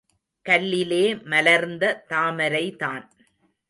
கல்லிலே மலர்ந்த தாமரைதான்.